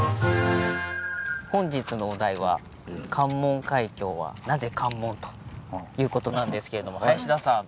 本日のお題は「関門海峡はなぜ“関門”？」という事なんですけれども林田さん。